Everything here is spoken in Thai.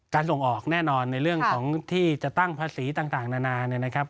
ส่งออกแน่นอนในเรื่องของที่จะตั้งภาษีต่างนานาเนี่ยนะครับ